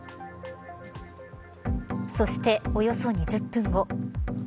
そして、およそ２０分後。